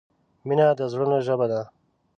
مینه د زړونو ژبه ده.